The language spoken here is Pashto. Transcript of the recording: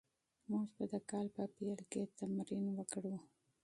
موږ به د کال په پیل کې تمرین وکړو.